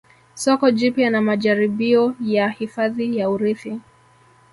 Soko jipya na majaribio ya hifadhi ya urithi